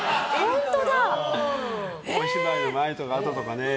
お芝居の前とかあととかね。